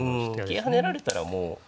桂跳ねられたらもう。